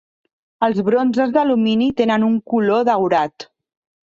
Els bronzes d'alumini tenen un color daurat.